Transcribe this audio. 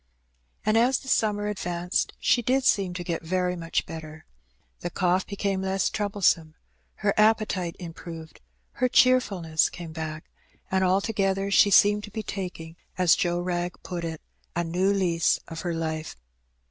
And as the summer advanced she did seem to get very much better. The cough became less troublesome, her appetite improved, her cheerfulness came back, and alto gether she seemed to be taking, as Joe Wrag put it, ^^a new lease of her life."